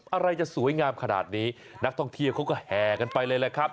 อะไรจะสวยงามขนาดนี้นักท่องเที่ยวเขาก็แห่กันไปเลยแหละครับ